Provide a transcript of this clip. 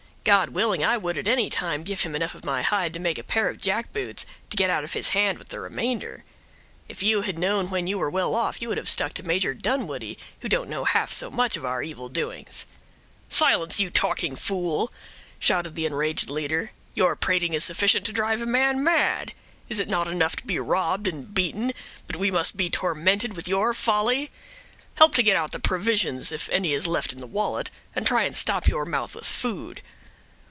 God willing, I would at any time give him enough of my hide to make a pair of jack boots, to get out of his hands with the remainder. If you had known when you were well off, you would have stuck to Major Dunwoodie, who don't know half so much of our evil doings." "Silence, you talking fool!" shouted the enraged leader; "your prating is sufficient to drive a man mad. Is it not enough to be robbed and beaten, but we must be tormented with your folly? Help to get out the provisions, if any is left in the wallet, and try and stop your mouth with food."